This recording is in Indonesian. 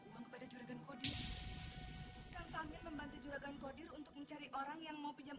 uang kepada juragan kodir kan sambil membantu juragan kodir untuk mencari orang yang mau pinjam